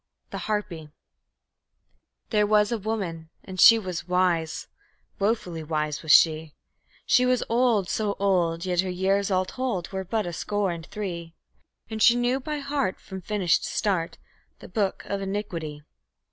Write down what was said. The Harpy There was a woman, and she was wise; woefully wise was she; She was old, so old, yet her years all told were but a score and three; And she knew by heart, from finish to start, the Book of Iniquity.